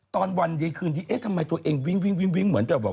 ตอนวันดีคืนนี้เอ๊ะทำไมตัวเองวิ่งเหมือนแบบ